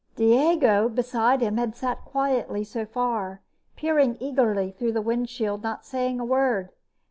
Diego, beside him, had sat quietly so far, peering eagerly through the windshield, not saying a word.